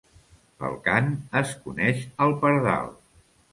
Pel cant es coneix al pardal.